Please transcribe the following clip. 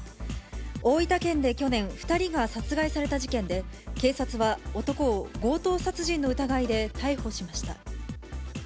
大分県で去年、２人が殺害された事件で、警察は、男を強盗殺人の疑いで逮捕しました。